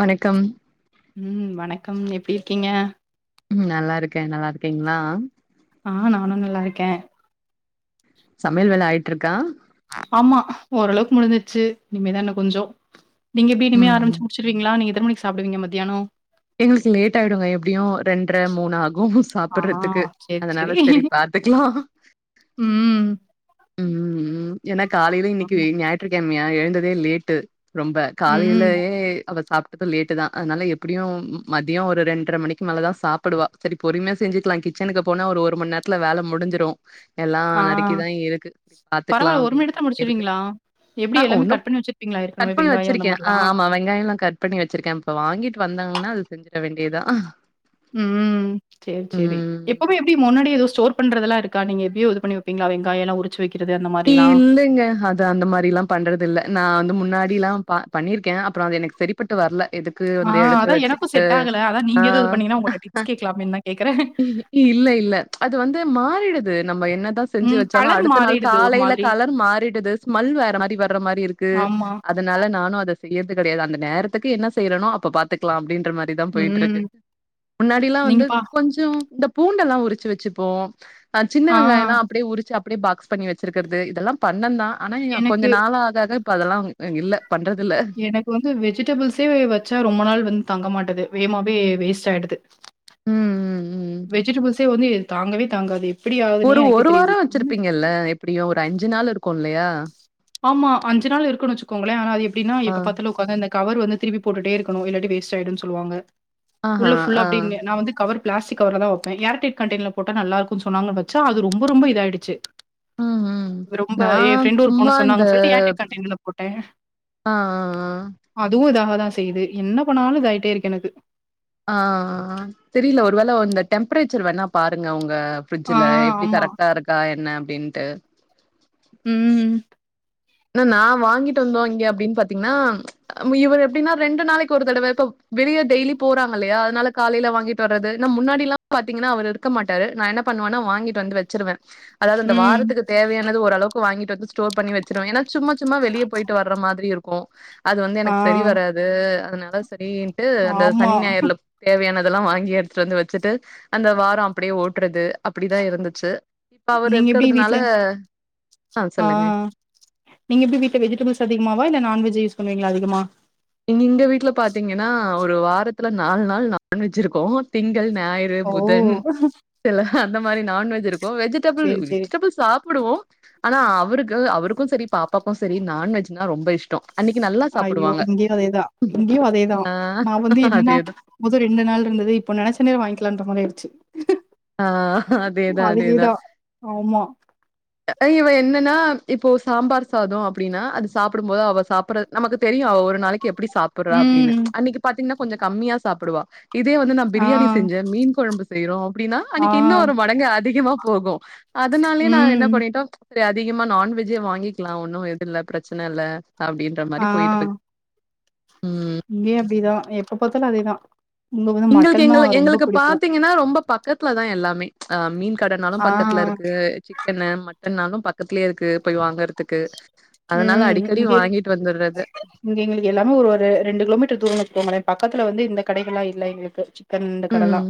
வணக்கம் ம் வணக்கம் எப்டிருக்கீங்க ம் நல்லாருக்கே நல்லாருக்கீங்ளா ஆ நானு நல்லாருக்கே சமைல் வேல ஆயிட்ருக்கா ஆமா ஓரளவுக் முடிஞ்சுருச்சு இனிமேதா இன்ன கொஞ்சோ நீங்க எப்டி இனிமே ம் ஆரம்ப்ச்சி முடிச்சிருவீங்ளா நீங்க த்தன் மணிக்கு சாப்புடுவீங்க மத்தியானோ ல்ஸ் லேட் ஆயிடுங்க எப்டியு ரெண்ட்ர மூணு ஆகூ ஆ சாப்புர்றதுக்கு சேரி சேரி அதனால செரி பாத் த்துக்லா ம் ம் ம் ஏன்னா காலையிலு இன்னிக்கு ஆமா. ஞாயிற்றுக்கமையா எழுந்ததே லேட்டு ரொம்ப ம் காலையிலயே அவ சாப்ட்டது லேட்டு தா அத்னால எப்டியு மதியோ ஒரு ரெண்ட்ர மணிக்கு மேல தா சாப்புடுவா செரி பொறுமையா செஞ்சுக்லா கிச்சனுக்கு போனா ஒரு ஒரு மணி நேத்துல வேல முடிஞ்சிரு எல்லா ஆ நறுக்கிதா இருக்கு பாத்துக்லா பரவால்ல ஒரு மணி அப்டின்ற நேரத்துல மாரி இருக்கு முடிச்சிருவீங்களா? எப்டி ஆ எல்லாமே கட் ஒன்னுப் பண்ணி வச்சிருப்பீங்களா கட் ஏற்கனவே பண்ணி வெங்காயோ அந்த வச்சிருக்கே ஆ மாரிலா? ஆமா வெங்காயல்லா கட் பண்ணி வச்சிருக்கே இப்ப வாங்கிட்டு வந்தாங்கனா இது செஞ்சிட வேண்டியதா ம் சேர் செரி ம் எப்பவ்மே எப்டி முன்னாடி எதோ ஸ்டோர் பண்றதெல்லாருக் க்கா நீங்க எப்டியோ இது பண்ணி வப்பீங்ளா வெங்காயலா உரிச்சு வெக் இல்லைங்க அது அந்த மாரில்லா பண்றதில்ல நான் முன்னாடில்லா ப பண்ணிருக்கே அப்றோ அது எனக் சரிபட்டு வர்ல எதுக்கு ஆ அந்த எடத்த அதா எனக்கு வச்சுக்கிட்டு செட் ஆகல அதா ஆ நீங்க எதுவு இது பண்ணீங்கன்னா உங்கள்ட்ட டிப்ஸ் கேக்கலாமேன்னு தா கேக்குறே. இல்லே இல்ல அத் து வந்து மாறிடுது நம்ம என்னதா செஞ்சு ம் வச்சாலு கலர் அடுத்த நாள் மாறிடுது ஒரு காலையில மாதிரி கலர் மாறிடுது ஸ்மல் வேற் ற மாரி வர மாரி இருக்கு ஆமா. அதனால நானு அத ஸ் செய்யற்து கெடையாது அந்த நேரத்துக்கு என்ன செய்றேனோ அப்ப பாத்துக்கலா அப்டின் ட்ற மாரி தா ம். போயிட்ருக்கு முன்னாடிலா நீங்க வந்து பா கொஞ்சோ இந்தப் பூண்டெல்லா உரிச்சு வச்சுப்போ ஆ சின்ன வெங்காயல்லா அப்டே உரிச்சு அப்டே பாக்ஸ் பண்ணி வச்சிர்க்கிறது இதெல்லா பண்ணேந்தா ஆனா கொஞ்ச எனக்கு நாள் ஆக ஆக இப்ப அதெல்லா ம் இல்ல பண்றதில்ல. எனக்கு வந்து வெஜிடபிள்ஸே வச்சா ரொம்ப நாள் வந்து தங்க மாட் டுது வேமாவே வேஸ்ட் ஆய்டுது ம் ம் ம். வெஜிடபிள்ஸே வந்து தாங்கவே தாங்காது இப் ஒரு ஒரு வாரோ வச்சிருப்பீங்கல்ல எப்டியு ஒரு அஞ்சு நாள் இருக்கூ இல்லையா ஆமா அஞ்சு நாள் இருக்கூனு வச்சுக்கோங்களே ஆனா அது எப்டினா ஆ. இப்ப பத்துல ஒக்காந்து அந்த கவர் வந்து திருப்பி போட்டுட்டே இருக்கணு இல்லாட்டி வேஸ்ட் ஆயிடுன் சொல்லுவாங்க ஆஹா. உள்ள ஃபுல்லா ஆ. அப்டின்னு நா கவர் பிளாஸ்டிக் கவர்ல தா வெப்பே ஏர் டைட் கண்டைனர்ல போட்டா நல்லார்க்கூன் சொன்னாங்க வச்சா அது ரொம்ப ரொம்ப இதாயிடுச்சு ம் ம். ரொம்ப ஏ நான் ஃப்ரெண்டு ஒரு சும்மா பொண்ணு இந்த சொன்னாங்கன் சொல்லிட்டு ஏர்டையிட் கண்டைன்ல போட்டே ஆ ஆ ஆ நா செய்து என்ன பண்ணாலு இதாயிட்டேருக்கு எனக்கு ஆ ஆ ஆ தெரில ஒரு வேள இந்த டெம்பரேச்சர் வேணா பாருங்க உங் க ஆ ஃப்ரிட்ஜுல எப்டி ஆமா. கரெக்டா இருக்கா என்ன அப்டின்ட்டு ம் ல நா வாங்கிட்டு வந்தோ இங்க அப்டின் பாத்தீங்னா மி இவர் எப்டின்னா ரெண்டு நாளைக்கு ஒரு தடவ இப்ப வெளில டெய்லி போறாங்கல்லயா அத்னால காலில வாங்கிட்டு வர்றது ஏனா முன்னாடில்லா பாத்தீங்னா அவரு இருக்க மாட்டாரு நா என்ன பண்வேனா வாங்கிட்டு வந்து வச்சுருவே அதாது இந்த ம். வாரத்துக்கு தேவையானது ஓரளவுக்கு வாங்கிட்டு வந்து ஸ்டோர் பண்ணி வச்சுருவே ஏனா சும்மா சும்மா வெளிய போய்ட்டு வர்ற மாத்ரி இருக்கு அது வந்து ஆ எனக்கு செரி வராது அதனால செரின்ட்டு அந்த ஆமா. சனி ஞாயிறுலப் தேவையானத் துலா வாங்கி எடுத்துட்டு வந்து வச்சுட்டு அந்த வாரோ அப்டியே ஓட்டுறது அப்டிதா இருந்துச்சு இப்ப அவரு நீங்க எப்டி இருக்கற்துனால வீட்ல ஆ சொல்லுங்க நீங்க எப்டி வீட்ட வெஜிடபிள்ஸ் அதிகமாவா இல்ல நான்வெஜ் யூஸ் பண்ணுவீங்ளா அதிகமா இங் இங்க வீட்ல பாத்தீங்கன்னா ஒரு வாரத்துல நால் நாள் நான்வெஜ் இருக்கூ திங் கள் ஞாயிறு ஓ! புதன் எலா அந்த மாரி நான்வெஜ் இருக்கூ வெஜிடபிள் சரி, சரி. வெஜிடபிள் சாப்புடுவோ ஆனா அவருக்கு அவருக்கூ செரி பாப்பாக்கூ செரி நான்வெஜ்னா ரொம்ப இஷ்டோ அன்னிக்கு நல்லா சாப்புடுவாங்க அதேதா இங்கயு அதேதா ஆ நா வந்து என்னன்னா அதேதா முதல் ரெண்டு நாள் இருந்தது இப்ப நெனச்சோனே வாங்கிக்லான்ட்ற மலேர்ச்சு ஆ அதேதா அதேதா அதேதான். ஆமா. அ இவ என் னன்னா இப்போ சாம்பார் சாதோ அப்டினா அது சாப்டும்போது அவ சாப்ற நமக்கு தெரியு அவ ஒ நாளைக்கு எப்டி சாப்புர்றா ம். அப்டினு அன்னிக்கு பாத்தீங்னா கொஞ்சோ கம்மியா சாப்புடுவா இதே வந்து நா ஆ, பிரியாணி செஞ்சே மீன் கொழம்பு செய்றோ அப்டின்னா ஆ. அன்னிக்கு இன்னொரு மடங்கு அதிகமா போகூ அதுனாலயே நா என்ன ம். பண்ணிட்டோ செரி அதிகமா நான்வெஜ்ஜே வாங்கிக்லா ஒன்னூ எது இல்ல ப்ரச்சன இல்ல அப்டின்ற ஆ மாரி போயிட்ருக்கு ம் இங்கேயு அப்டிதா எப்ப பாத்தாலு அதேதா எங்ளுக்கு எங்கள எங்களுக்கு பாத்தீங்கனா ரொம்ப பக்கத் துல தா எல்லாமே அ மீன் கடனாலு ஆ பக்கத்துல இருக்கு சிக்கனு மட் டன்னாலு பக்கத்துலயே இருக்கு போய் வாங்கற்துக்கு அதனால ம் அடிக்கடி இங்க வாங்கிட்டு வந்துர்றது இங்க எங்ளுக்கு எல்லாமே ஒரு ரெண்டு கிலோமீட்டர் தூரோ இருக்கூ மேடம் பக்கத்துல வந்து இந்த கடைகள்ல்லா இல்ல எங்ளுக்கு சிக்கன் இந்த கடல்லா ம்.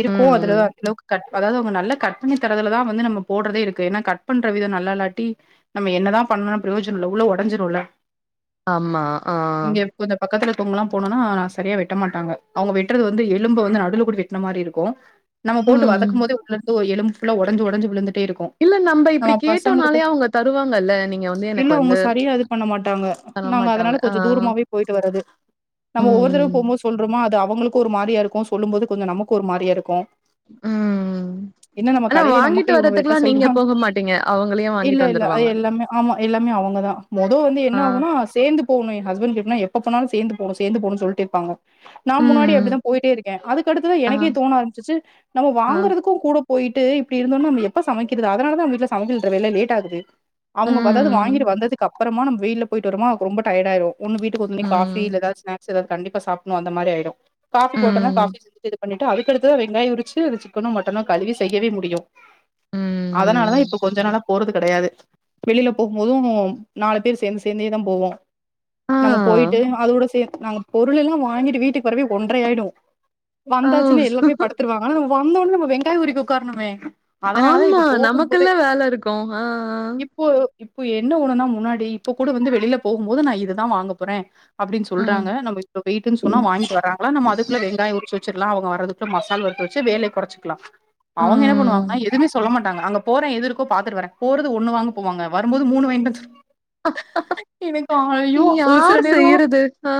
இருக்கூ ம், ம். அதுலலா கிலோவுக்கு கட் அதாவ்து அவுங்க நல்ல கட் பண்ணி தரதுலதா வந்து நம்ம போட்றதே இருக்கு ஏனா கட் பண்ற விதோ நல்லா இல்லாட்டி நம்ம என்னதா பண்ணா பிரயோஜன இல்ல உள்ள ஒடஞ்சுருல்ல ஆமா ஆ பொங்லா போனோனா செரியா வெட்ட மாட்டாங்க அவுங்க வெட்றது வந்து எலும்ப வந்து நடுல கூடி வெட்ன மாரி இருக்கூ நம்ம போட்டு ம். வதக்கும் போதே உள்ளருந்து எலும்பு ஃபுல்லா ஒடஞ்சு ஒடஞ்சு விழுந்துட்டே இருக்கூ இல்ல நம்ப இப்டி நம்ம பசங்களுக்கு கேட்டோம்னாலே அவங்க தருவாங்கல்ல. நீங்க வந்து எனக்கு இல்லவுங்க வந்து சரியா இது பண்ண மாட்டாங்க நாங்க தரமாட்டாங்க. அதனால ஆ. கொஞ்சோ தூரமாவே போய்ட்டு வறது நம்ம ஒவ்வொரு தரவ ம், போம்போது சொல்றோமா அது அவுங்ளுக்கு ஒரு மாரியா இருக்கூ சொல்லும் போது கொஞ்சோ நமக்கூ ஒரு மாரியா இருக்கூ ம். என்னா நம்ம ஆனா கடையிலே வாங்கிட்டு நமக்கே இவ்னோ வெட்ட வர்றதுக்குலாம் நீங்க சொல்றா போக மாட்டீங்க. அவங்களே வாங்கிட்டு இல்ல ல அது வந்துருவாங்க. எல்லாமே ஆமா எல்லாமே அவுங்கதா மொத வந்து ஆ. என்ன ஆவுனா சேந்து போவுமே ஹஸ்பண்ட்கெப்னா எப்ப போனாலு சேந்து போணு சேந்து போணுன் சொல்லிட்டேருப்பாங்க நா முன்னாடி அப்டிதா ம். போய்ட்டே இருக்கே அதுக்கடுத்துதா ஆ, எனக்கே தோண ஆரம்ப்சிச்சு நம்ம ஆ. வாங்குறதுக்கு கூட போயிட்டு இப்டி இருந்தோன்னா நம்ம எப்ப சமைக்றது அதனாலதா வீட்ல சமைக்குல்ற வேல லேட் ஆகுது அவுங்க வதது வாங்கிட்டு ம், வந்ததுக்கப்றோமா நம்ம வெயில்ல போய்ட்டு வரோமா ரொம்ப டயடாயிரு ஒன்னு வீட்டுக்கு ஒன்னி காஃபி ம், இல்ல எதாது ஸ்னாக்ஸு எதாது கண்டிப்பா சாப்டுன் வந்த மாரி ஆயிரு காஃபி போட்டன்னா காஃபி ம், செஞ்சுட்டு பண்ணிட்டு அதுக்கத்ததா வெங்காய் உரிச்சு அது சிக்கனோ மட்டனோ கழுவி செய்யவே முடியு அதனாலதா இப்ப ம். கொஞ்ச நாளா போறது கெடயாது வெளியில போகும் போது நாலு பேரு சேந்து சேந்தேதா போவோ ஆ. நம்ம போய்ட்டு அதோட சே நாங்க பொருள் எல்லா வாங்கிட்டு வீட்டுக்கு வறவே ஒன்ட்ரை ஆயிடு ஓ! வந்தாச்சுனா எல்லாமே படுத்துருவாங்க ஆனா நம்ம வந்தோன்ன நம்ம வெங்காயோ உரிக்க ஒக்கார்னுமே ஆமா நமக்குல்ல வேலருக்கூ ஆ போ இப்ப என்ன ஒன்னுனா முன்னாடி இப்ப கூட வந்து வெளியில போகு போது நா இததா வாங்க போறே அப்டின் ஆ. ம், சொல்டாங்க நம்ம இப்ப வெய்ட்டுன் சொன்னா வாங்கிட்டு வராங்களா நம்ம அதுக்குள்ள வெங்காயோ உரிச்சு சுர்லா அவங்க வரதுகுள் மசால் வறுத்து வச்சு வேலே கொறச்சசுக்லா அவுங்க என்ன ம். பண்ணுவாங்க எதுமே சொல்ல மாட் டாங்க அங்க போறே எது இருக்கோ பாத்துட்டு வரே போறது ஒன்னு வாங்க போவாங்க வரும்போது மூணு வாய்ன்ட்டு வந்துரு எனக்கு அவங்களயோ ஒரு சில யார் நேரோ செய்யறது ஆ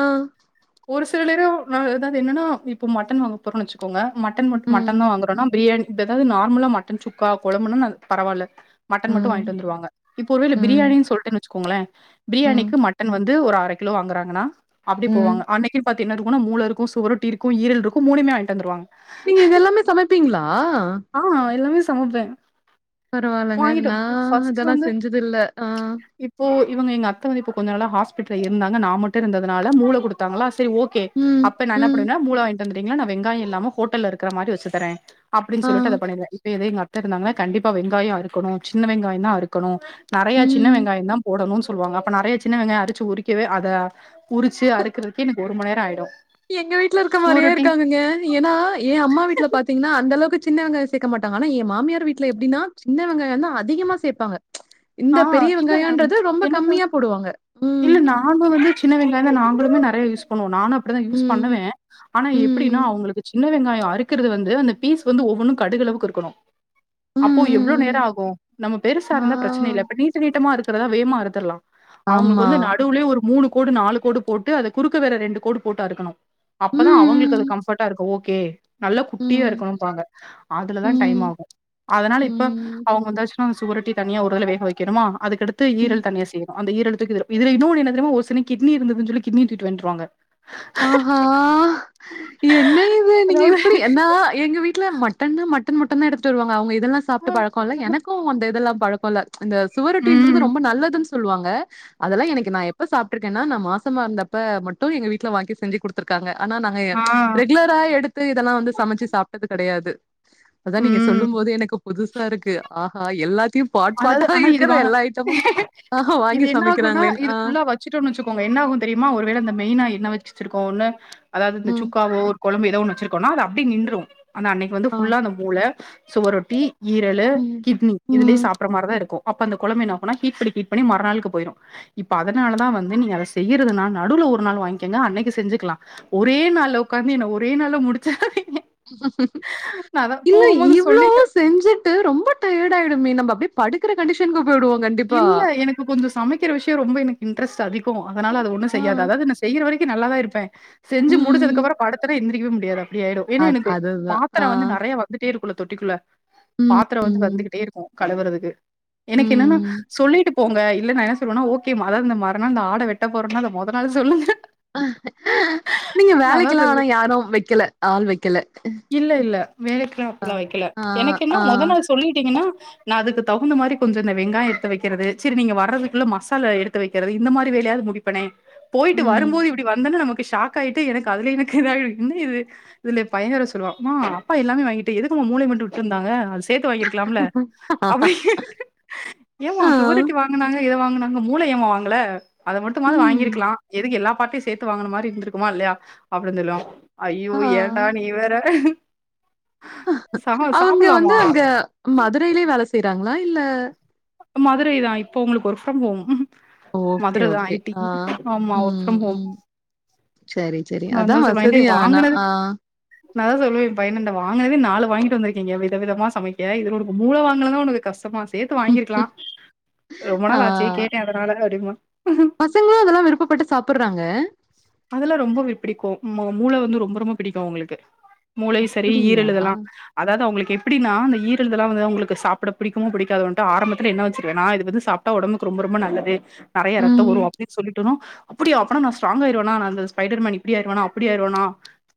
ஒரு சில நேரோ நா ஏதாவது என்னன்னா இப்போ மட்டன் வாங்க போறோன்னு வச்சுக்கோங்க மட்டன் மட்டு ம் மட்டன் தா வாங்குறோனா பிரியாணி இப்ப ஏதாவது நார்மலா மட்டன் சுக்கா குழம்புன்னா பரவால மட்டன் மட்டு ம் வாங்கிட்டு வந்துருவாங்க இப்போ ஒருவேல ம் பிரியாணினு சொல்டே வச்சுக்கோங்களே ம் பிரியாணிக்கு மட்டன் வந்து ஒரு அர கிலோ வாங்குராங்கன்னா அப்டி ம் போவாங்க அன்னைக்கினு பாத் து மூள இருக்கு சுவரொட்டி இருக்கு ஈரல் ருக்கு மூணுமே வாங்கிட்டு வந்துருவாங்க நீங்க இதெல்லாமே சமைப்பீங்களா சமப்பே பரவால்லங்க நா ஃபர்ஸ்ட் இதெல்லா வந்து செஞ்சதில்ல. ஆ இப்போ இவங்க எங்க அத்த வந்து இப்போ கொஞ்ச நாளா ஹா ஹஸ்பிட்டல் இருந்தாங்க நா மட்டு இருந்ததுனால மூள குடுத்தாங்களா செரி ஓகே ம் அப்ப நாஎன்ன ம் பண்ணுவேனா மூள வாங் தந்துட்டீங்கனா நா வெங்காயோ இல்லாம ஹோட்டல இருக்குற மாரி வச்சு தரே அப்டினு ஆ சொல்லிட்டு அத பண்ணிருவே இப்போ இதே எங்க அத்த இருந்தாங்கனா கண்டிப்பா வெங்காயோ அருக்கனோ சின்ன வெங்காய தா அருக்கணு நெறைய சின்ன ம் வெங்காய தா போடணு சொல் சொல்லுவாங்க அப்ப நெறைய சின்ன வெங்க அரிச்சு உரிக்கவே அத உரிச்சு அறுக்கிறதுக்கே எனக்கு ஒரு மணி நேரோ ஆயிடோ எங்க வீட்ல இருக்க மாரியே இருக்காங்கங்க ஏன்னா எ அம்மா வீட்ல பாத்தீங்கன்னா அந்த அளவுக்கு சின்ன வெங்காயோ சேக்க மாட்டாங்க ஆனா எ மாமியார் வீட்ல எப்டினா சின்ன வெங்காயோதா அதிகமா சேப்பாங்க இந்த ஆஹ் பெரிய இல்ல வெங்காயன்றது ரொம்ப எனக்கு கம்மியா போடுவாங்க. ம் இல்ல நாங்க வந்து சின்ன வெங்காய தா நாங்களுமே நெ றையா யூஸ் பண்ணுவோ நானு அப்டிதா யூஸ் ம் பண்ணுவே ஆனா ம் எப்டினா ம் அவங்களுக்கு சின்ன வெங்காயோ அரிப் க்கிறது வந்து அந்த பீஸ் வந்து ஒவ்வொன்னு கடுகளவுக்கு இருக்கணு ம் அப்போ எவ்ளோ ம் ம் நேரோ ஆகு நம்ம பெருசா ஆ இருந்தா பிரச்சன இல் இப்ப நீட்ட நீட்டமா இருக்குறதா வேமா அரு த்தலா அவுங்களுக்கு ஆமா. வந்து நடுவுலேயு ஒரு மூணு கோடு நாலு கோடு போட்டு அது குறுக்க வேற ரெண்டு கோடு போட்டு அருக்கணு ம் அப்பதா அவங்களுக்கு ம் அது கம்ஃப்ட்டா இருக்கு ஓக் கே நல்ல ம் குட்டிய இருக்கணும்பாங்க அதுலதா டைம் ம் ஆகு அதனால இப்ப ம் அவங்க வந்தாச்சுன்னா சுவரோட்டி தண்ணியா ஒருஇதுல வேக வைக்கணுமா அதுக்கடுத்து ம் ஈரல் தண்ணியா செய்யுனு அந்த ஈரல தூக்கி இதுல இன்னொன்னு என்ன தெரிம ஒரு சின்ன கிட்னி இருந்துதுனு சொல்லி கிட்னி தூட்று வந்துருவாங்க ஆஹஹா என்ன இது நீங்க அதாவது இப்பிடி ஏன்னா எங்க வீட்ல மட்டன்னா மட்டன் மட்டு தா எடுத்துட்டு வருவாங்க அவுங்க இதெல்லா சாப்டு பழக்கோ இல்ல எனக்கோ அந்த இதெல்லா பழக்கோ இல்ல அந்த சுவரொட்டன்றது ம் ரொம்ப நல்லதுன்ன சொ சொல்வாங்க அதெல்லா எனக்கு நா எப்ப சாப்ட்ருக்கேனா நா மாசமா இருந்தப்ப மட்டோ எங்க வீட் வீட்ல வாங்கி செஞ்சு குடுத்துருக்காங்க ஆனா நாங்க ஆ ரெகுலர எடுத்து இதெல்லா வந்து சமைச்சு சாப்டது கெடையாது அதா நீங்க ம் சொல்லும் போதே எனக்கு புதுசா இருக்கு ஆஹா எல்லாத் அதாவது ஆனா இது வா ஆஹா இது வாங்கி என்ன ஆகுனா சமைக்கிறாங்களேன்னு இது ஆ புல்லா வச்சுடோன்னு வச்சுக்கோங்க என்ன ஆகு தெரியுமா ஒரு வேள அந்த மெய்னா என்ன வச் சுருக்கோனு அதாவது இந்த ம் சுக்காவோ ஒரு குழம்பு ஏதோ வச்சிருக்கோனா அது அப்டியே நின்று ஆனா அன்னைக்கு வந்து ஆ ஃபுல்லா அந்த மூள சுவரொட்டி ஈரலு ம் கிட்னி இதுலே ம் சாப் தா இருக்கு அப்ப அந்த குழம்பு என்ன ஆகும்னா ஹீட் பண்ணி ஹீட் பண்ணி மறநாளுக்கு போயிரு இப்ப அதனால தா வந்து நீங்க அத செய்றதுனால நடுவுல ஒரு நாள் வாங்கங்க அன்னைக்கு செஞ்சுக்கலா ஒரே நாள்ள உட்காந்து என் ஒரே நாள்ள முடிச்சிறாதீங் இல்ல போகும்போது இவ்ளோ சொல்லிட்டே செஞ்சிட்டு ரொம்ப டயடு ஆயிடுமே நம்மப் அப்டியே படுக்குற கண்டிஷனுக்கு போயிடுவோ கண்டிப்பா இல்ல. எனக்கு கொஞ்சம் சமைக்கிற விஷயோ ரொம்ப எனக்கு இன்ட்ரெஸ் அதிகோ அதனால அது ஒன்னு ஆ செய்யாத அதாவது நா செய்யற வரைக்கு நல்லாதா இருப்பே செஞ்சு ம் முடிச்சதுக்கப்பறோ படுத்தனா எந்திரிக்கவே முடியாது அப்டி ஆயிடோ ஏன்னா அது எனக்கு அதுதான் ஆ பாத்ரோ வந்து நெறைய வந்துட்டே இருக்குல தொட்டிக்குள்ள ம் பாத்ரோ வந்து ம் வந்துகிட்டே இருக்கு கழுவுறதுக்கு எனக்கு என்னன்னா ம் சொல்லிட்டு போங்க இல்லனா நா என்ன சொல்வேனா ஓகே அத இந் மற நாள் இந்த ஆட வெட்ட போறேன்ன அத முத நாள் சொல்லுங்க நீங்க நான் அதான் வேலைக்கெல்லா சொல்லுவேன். ஆனா யாரோ வெக்கல ஆள் வெக்கல ஆ வெக்கல எனக்கு என்ன ஆ முத நாள் சொல்லிட்டீங்கன்னா நா அதுக்கு தகுந்த மாரி கொஞ்சோ இந்த வெங்காயத் த வெக்கிறது சேரி நீங்க வர்றதுக்குள்ள மசாலா எடுத்து வைக்கிறது இந்த மாரி வேலையாவது முடிப்பேனே போயிட்டு ம் வரும்போது இப்டி வந்தன நமக் ஷாக் ஆயிட்டு எனக்கு அதுல எனக்கு இத ஆயிரு என்ன இது இதுல பைய வேற சொல்லுவா அப்பா எல்லாமே வாங்கிட்டு எதுக்கு மா மூளய மட்டு விட்டுருந்தாங்க அது சேத்து வாங்கிருக்கலாம்ல அப்டினு ஏமா ஆ சுவரொட்டி வாங்னாங்க இத வாங்னாங்க மூள ஏமா வாங்கல அது மட்டும்மாது ம் வாங்கிருக்கலா எதுக்கு எல்லா பாட்டிஸ் சேத்து வாங்ன மாரி இருந்திருக்குமா இல்லையா அப்டி சொல்லுவா ஐயோ ஆ ஏண்டா நீ வேற சா அவங்க சாப்டலாமா வந்து அங்க மதுரயிலே வேல செய்யறாங்களா இல்ல மதுரைதான் இப்ப அவங்களுக்கு ஒர்க் ஃப்ரம் ஹோம் ஓகே மதுரதா ஓகே ஐ டி ஆ ஆமா ஒர்க் ம் ஃப்ரம் ஹோம் ம் சரி சரி அதா நந்தோஷமாய்ண்டி வசதி ஆனா வாங்கனது ஆ நா தா சொல்லுவே எ பையன்ட வாங்கினதே நாலு வாங்கிட்டு வந்துருகீங்க விதவிதமா சமைக்க இதுல உனக்கு மூள வாங்கலானா தா உனக்கு கஷ்டமா சேத்து வாங்கிருக்கலா ரொம்ப நாள் ஆச்சு ஆ கேட்டே அதனால அப்டிம்பா பசங்களு அதெல்லா விருப்பப்பட்டு சாப்டுறாங்க கும் மூள வந்து ரொம்ப ரொம்ப பிடிக்கு அவங்களுக்கு மூளையும் செரி அப்டியா ஈரலு இதுதெல்லா அதாவது அவங்களுக்கு எப்டினா அந்த ஈரல் இதுல வந்து அவங்களுக்கு சாப்ட பிடிக்குமோ புடிக்காதோன்டு ஆரம்பத்துல என்ன வச்சிக்குவேனா இது இது சாப்ட உடம்புக்கு ரொம் ரொம்ப ரொம்ப நல்லது நெறையா ரத்தோ ம் ஊறு அப்டின்னு சொல்லிட்டோன அப்டியா நா ஸ்ட்ராங் ஆயிருவேனா ஸ்பைடர் மேன் இப் இப்டி ஆயிருவனோ அப்பிடி ஆயிருவனோ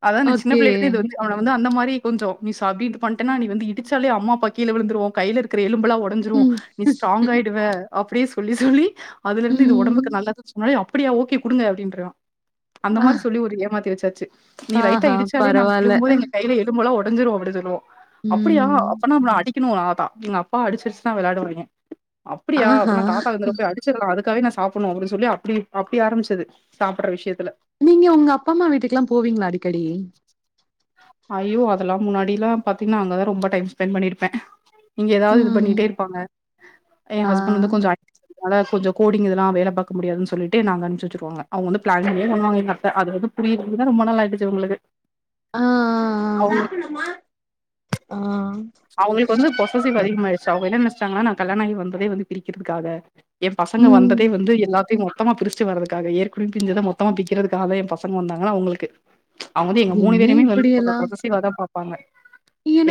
அதான் நா சின்ன ஓகே பிள்ளைல இருந்து இது வந்து அவன வந்து அந்த மா ரி கொஞ்சோ நீ சாபித் பண்ட்டன நீ வந்து இடிச்சாலே அம்மா அப்பா கீழ விழுந்துருவோ கையில இருக்கற எலும்பெல்லா உடஞ்சுரு ம் நீ ஸ்டராங் ம் ஆயிடுவ அப்டியே சொல்லி சொல்லி அதுல இருந்து இது ம் உடம்புக்கு நல்லது சொன்னாலே அப் அப்டியா ஓகே குடுங்க அப்டின்ருவா அந்த ஆ மாரி சொல்லி ஒரு ஏமாத்தி வச்சாச்சு நீ லைட்டா ஆஹா இடிச்சாலே நாங்க பரவால்ல விழும்போது எங்க கையில எழும்பு எல்லா உட டஞ்சுரு அப்டி சொல்லுவோ அப்டியா ம் அப்பனா நா அடிக்கணு அதான் எங்க அப்பாவ அடிச்சிசடிச்சு தா வெளாடுவாங்கே அப்டியா ஆஹா அப்பனா தாத்தா இந்த தரவா போய் அடிச்சர்லா அது க்காகவே நா சாப்டணு அப்டின்னு சொல்லி அப்டி அப்டி ஆரம்பிச்சது சாப்டுற விஷயத்துல நீங்க உங்க அப்பா அம்மா வீட்டுக்கெல்லா போவீங்களா அடிக்கடி ஐயோ அதெல்லா முன்னாடில்லா பாத்தீங்கன்னா அங்கதா ரொம்ப டைம் ஸ்பெண்ட் பண்ணிருப்பே இங்க ஏதாவது இது ம் பண்ணிட்டே இருப்பாங்க என் ஆ ஹஸ்பண்ட் வந்து கொஞ்சோ அ அத கொஞ்சோ கோடிங் இதல்லா வேல பாக்க முடியாதுன்னு சொல்லிட்டு என்ன அங்க அனுப்பிச்சு வச்சுருவாங்க அவங்க பிளான் பண்ணியே பண்ணுவாங்க எங்க அத்த அத வந்து புரியறதுக்குதா தா ரொம்ப நாள் ஆயிடுச்சு உங்களுக்கு ஆஹ் ஆஹ் ஆஹ் ஆஹ் அவங்களுக்கு வந்து பொசசிவ் அதிகமாயிடுச்சு அவங்க என்ன நெனச்சிட்டாங்கன்னா நா கல்யாணயாகி வந்ததே வந்து பிரிக்கிறதுக்காக எ பசங்க ம் வந்ததே வந்து எல்லாத்தையு மொத் தமா பிரிச்சுட்டு வரதுக்காக ஏற்கனே பிரிஞ்சத மொத்தமா பிரிக்கிறதுக்காக தா எ பசங்க வந்தாங்கனா அவங்களுக்கு ச் அவங்க வந்து எங்க மூணு என்ன பேருமே வந்து கொஞ்சோ இப்டியெல்லா பொசசிவ்வாதா பாப்பாங்க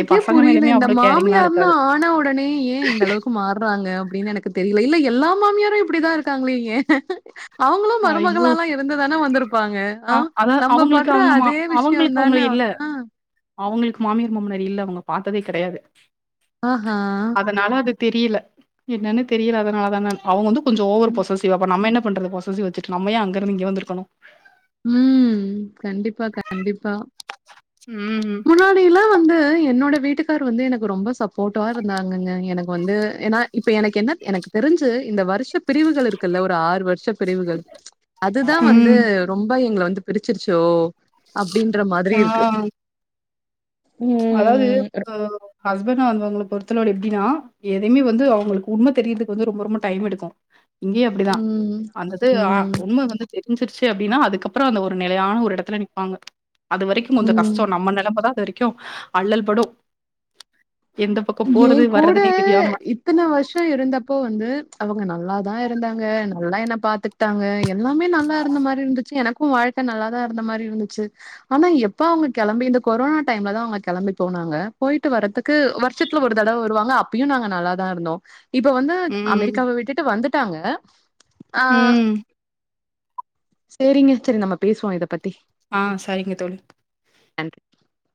எ பசங்க புரியல் மேலயுமே இந்த அவ்ளோ கேரிங்லா மாமியார்ன்ன இருக்காது ஆன உடனே ஏன் இந்த அளவுக்கு மாறுறாங்க அப்டின்னு எனக்கு தெரியல இல்ல என் எல்லா மாமியாரு இப்டிதா இருக்காங்களே ஏ அவங்களு ஐயோ மருமகளாலா இருந்துதானே வந்திருப்பாங்க அ ஆஹ் அதா நம்ம அவங்களுக்கு படுற அவங்க மா அதே அவங்களுக்கு அவங்க விஷ்யோதானே இல்ல ஆமா அவங்களுக்கு மாமியார் மாமனார் இல்ல அவங்க பாத்ததே கெடயாது அ ஆஹ தெரியல என்னன்னு தெரியல அதனால தானா அவங்க வந்து கொஞ்சோ ஓவர் ம் பொசசிவ் அப்போ நம்ம என்ன பண்றது பொச சிவ் வச்சுட்டு நம்ம ஏன் அங்கிருந்து இங்க வந்துருக்கணு ம் கண்டிப்பா கண்டிப்பா ம் முன்னாடில்லா வந்து என்னோட வீட்டுக்கார் வந்து எனக்கு ரொம்ப சப் போட்டாவா இருந்தாங்கன்னு எனக் இப்ப வந்து ஏன்னா இப்ப எனக்கு என்ன எனக்கு தெரிஞ்சு இந்த வருஷ பிரிவுகள் இருக்குல்ல ஒரு ஆறு வருஷ பிரிவுகள் அதுதா வந்து ம் ரொம்ப எங்கள வந்து பிரிச்சிருச்சோ அப்டின்ற மாதிரி இருக்கு ஆ அதாவது ம் அ ஹஸ்பண்ட் அவங் அவங்கள பொருத்தளவுல எப் டினா எதுமே வந்து அவங்களுக்கு உண்ம தெரியிறதுக்கு வந்து ரொம்ப ரொம்ப டைம் எடுக்கு இங்கேயு அப்டிதா ம் வந்துட்டு ஆ ம் உண்ம வந்து தெரி ஞ்சிருச்சு அப்டின்னா அதுக்கப்பறோ அந்த ஒரு நிலையான ஒரு இடத்துல நிப்பாங்க அது வரைக்கியு கொஞ்சோ ம் கஷ்டோ நம்ம நிலமதா அது வரைக்கியு அள்ளல்படு ஏ கூட இத்தன வருஷோ இருந்தப்போ வந்து அவங்க நல்லா தா இருந்தாங்க நல்லா என்ன பாத்துட்டாங்க எல்லாமே நல்லா இருந்த மாரி இருந்துச்சு எனக்கு ம் வாழ்க்க நல்லாதா இருந்த மாரி இருந்துச்சு ஆனா எப்ப அவங்க கெளம்பி இந்த கொரோனா டைம்ல தா அவங்க கெளம்பி போனாங் னாங்க போயிட்டு வர்றதுக்கு வரு ஷத்துல ஒரு தடவ வருவாங்க அப்பயு நாங்க நல்லா தா இருந்தோ இப்ப வந்து ம், அமெரிக்காவ விட்டுட்டு வந்துட் டாங்க ஆ ம். சேரிங்க செரி நம்ம பேசுவோ இதப் பத் ஆ சரிங்க தோழி நன்றி.